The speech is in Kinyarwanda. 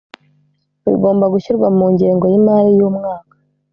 bigomba gushyirwa mu ngengo y’imari y’umwaka